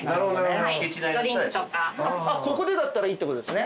あっここでだったらいいってことですね。